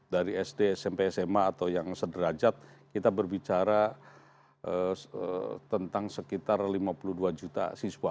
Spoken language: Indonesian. dari sd smp sma atau yang sederajat kita berbicara tentang sekitar lima puluh dua juta siswa